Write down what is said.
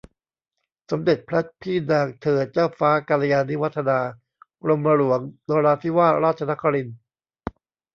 สมเด็จพระเจ้าพี่นางเธอ เจ้าฟ้ากัลยาณิวัฒนา กรมหลวงนราธิวาสราชครินทร์